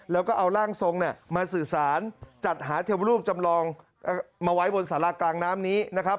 แล้วก็เอาร่างทรงมาสื่อสารจัดหาเทวรูปจำลองมาไว้บนสารากลางน้ำนี้นะครับ